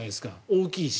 大きいし。